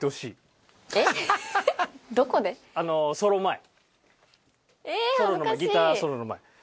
ソロのギターソロの前。